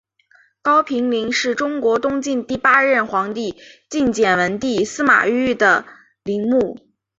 高平陵是中国东晋第八任皇帝晋简文帝司马昱的陵墓。